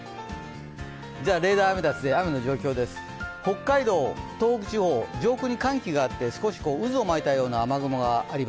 じゃ、レーダーアメダスで雨の状況です、北海道、東北地方、上空に寒気があって、渦を巻いたような状態です。